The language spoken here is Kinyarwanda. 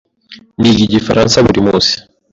Niga Igifaransa buri munsi.